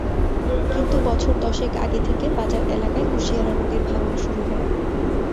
কিন্তু বছর দশেক আগে থেকে বাজার এলাকায় কুশিয়ারা নদীর ভাঙন শুরু হয়।